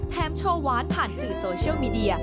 โชว์หวานผ่านสื่อโซเชียลมีเดีย